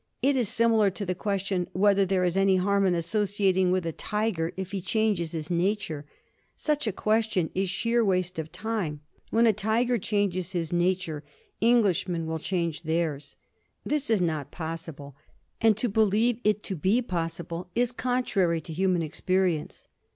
It is similar to the question whether there is any harm in associating with a tiger, if he changes his nature. Such a question is sheer waste of time. When a tiger changes his nature, Englishmen will change theirs. This is not possible, and to believe it to be possible is contrary to human experience.